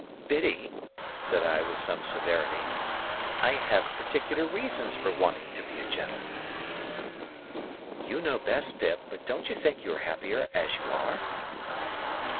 "Biddy," said I, with some severity, "I have particular reasons for wanting to be a gentleman." "You know best, Pip; but don't you think you are happier as you are?"